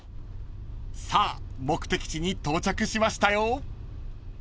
［さあ目的地に到着しましたよ］